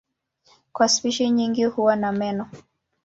Kwa spishi nyingi huwa na meno.